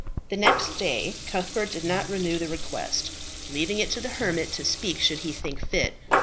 The next day Cuthbert did not renew the request, leaving it to the hermit to speak should he think fit.